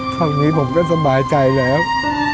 ฝั่งนี้ผมก็สบายใจแล้ว